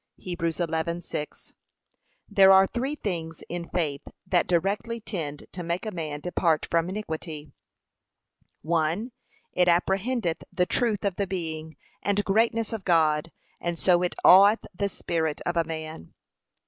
(Heb 11:6) There are three things in faith, that directly tend to make a man depart from iniquity. (l.) It apprehendeth the truth of the being and greatness of God, and so it aweth the spirit of a man.